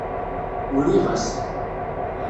Uriɣ-as.